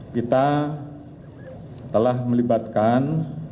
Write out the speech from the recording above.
kita telah melibatkan